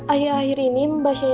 akhir akhir ini mbak sienna